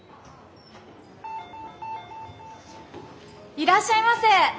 いらっしゃいませ！